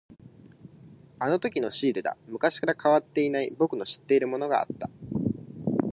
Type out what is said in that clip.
あのときのシールだ。昔から変わっていない、僕の知っているものがあった。